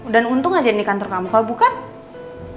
dan untung aja ini kantor kamu kalau bukan